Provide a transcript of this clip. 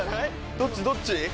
どっちどっち？